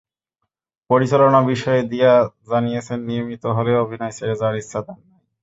পরিচালনা বিষয়ে দিয়া জানিয়েছেন, নিয়মিত হলেও অভিনয় ছেড়ে যাওয়ার তাঁর ইচ্ছা নেই।